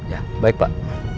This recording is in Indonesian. ya baik pak